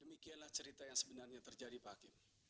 demikianlah cerita yang sebenarnya terjadi pak hakim